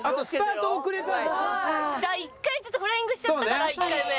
一回ちょっとフライングしちゃったから１回目。